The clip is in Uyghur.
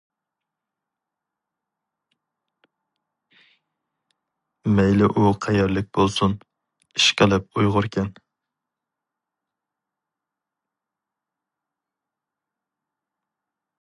مەيلى ئۇ قەيەرلىك بولسۇن، ئىشقىلىپ ئۇيغۇركەن.